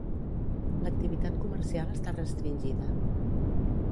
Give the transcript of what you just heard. L'activitat comercial està restringida.